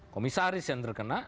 komisaris yang terkena